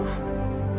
iduk oscar petang kenapa